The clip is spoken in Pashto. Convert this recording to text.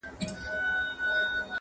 هغه د صحنې له وضعيت څخه حيران ښکاري,